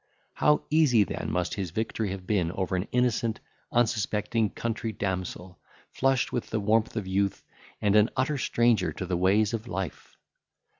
How easy then must his victory have been over an innocent, unsuspecting country damsel, flushed with the warmth of youth, and an utter stranger to the ways of life!